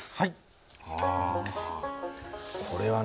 これはね